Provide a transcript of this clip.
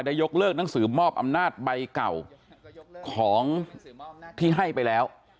ยกเลิกหนังสือมอบอำนาจใบเก่าของที่ให้ไปแล้ว